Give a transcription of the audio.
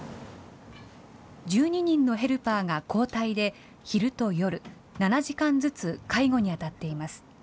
１２人のヘルパーが交代で、昼と夜、７時間ずつ介護に当たっています。